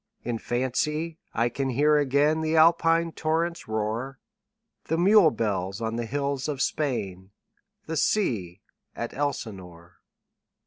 In fancy I can hear again The Alpine torrent's roar, The mule bells on the hills of Spain, 15 The sea at Elsinore.